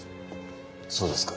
そうですか。